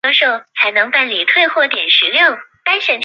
合瓦博拉航空和温比殿华航空都作比为枢纽机场。